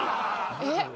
えっ？